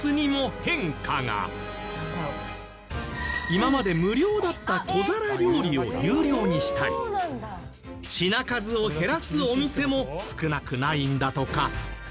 今まで無料だった小皿料理を有料にしたり品数を減らすお店も少なくないんだとか。